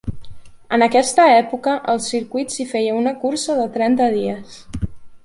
En aquesta època al circuit s'hi feia una cursa de trenta dies.